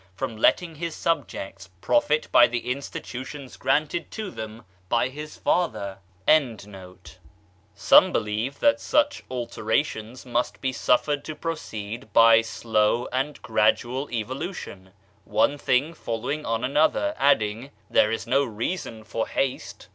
from letting his subjects profit by the institutioiis granted to them by his father. B 17 Digitized by Google MYSTERIOUS FORCES Some believe that such alterations must be suf fered to proceed by slow and gradual evolution, one thing following on another, adding, "There is no reason for haste."